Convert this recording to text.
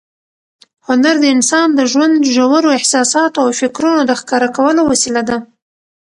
هنر د انسان د ژوند ژورو احساساتو او فکرونو د ښکاره کولو وسیله ده.